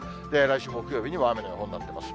来週木曜日には雨の予報になってます。